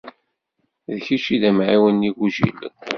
D kečč i d amɛiwen n yigujilen.